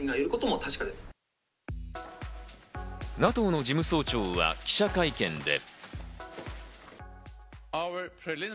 ＮＡＴＯの事務総長は記者会見で。